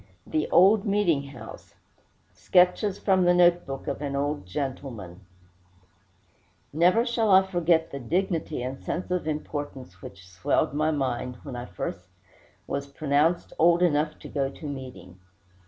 THE OLD MEETING HOUSE SKETCH FROM THE NOTE BOOK OF AN OLD GENTLEMAN Never shall I forget the dignity and sense of importance which swelled my mind when I was first pronounced old enough to go to meeting.